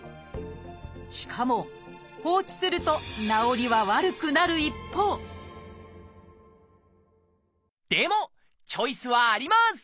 しかも放置すると治りは悪くなる一方でもチョイスはあります！